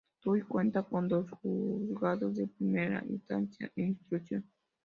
Tuy cuenta con dos Juzgados de Primera Instancia e Instrucción.